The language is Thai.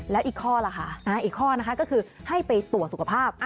แล้วอีกข้อล่ะค่ะอีกข้อนะคะก็คือให้ไปตรวจสุขภาพ